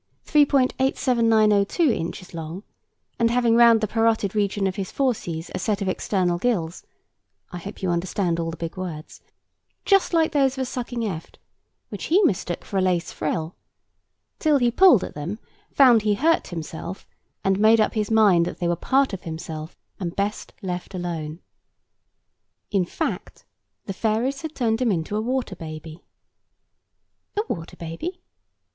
87902 inches long and having round the parotid region of his fauces a set of external gills (I hope you understand all the big words) just like those of a sucking eft, which he mistook for a lace frill, till he pulled at them, found he hurt himself, and made up his mind that they were part of himself, and best left alone. In fact, the fairies had turned him into a water baby. A water baby?